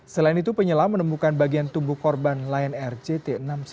selain itu penyelam menemukan bagian tubuh korban lion air jt enam ratus sepuluh